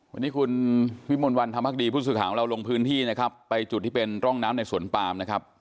วันนี้คุณวิมลวันธรรมภักดีผู้สื่อข่าวของเราลงพื้นที่นะครับไปจุดที่เป็นร่องน้ำในสวนปามนะครับ